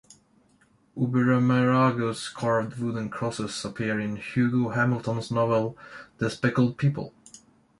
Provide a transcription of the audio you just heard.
Oberammergau's carved wooden crosses appear in Hugo Hamilton's novel "The Speckled People".